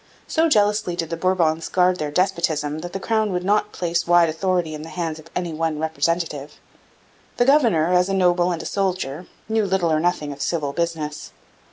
So jealously did the Bourbons guard their despotism that the crown would not place wide authority in the hands of any one representative. The governor, as a noble and a soldier, knew little or nothing of civil business.